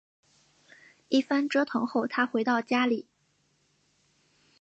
一番折腾后她回到家里